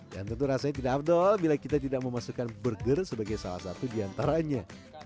dan tentu rasanya tidak abdol bila kita tidak memasukkan burger sebagai salah satu diantaranya